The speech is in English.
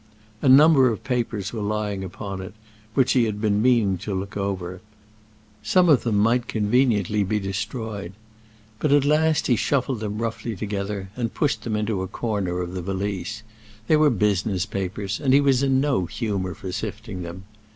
A number of papers were lying upon it, which he had been meaning to look over; some of them might conveniently be destroyed. But at last he shuffled them roughly together, and pushed them into a corner of the valise; they were business papers, and he was in no humor for sifting them.